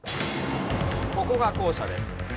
ここが校舎です。